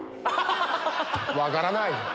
分からないって。